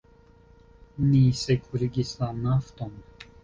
Ni sekurigis la Nafton.